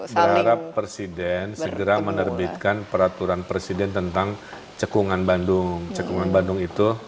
saling persiden segera menerbitkan peraturan presiden tentang cekungan bandung cekungan bandung